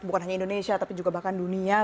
bukan hanya indonesia tapi juga bahkan dunia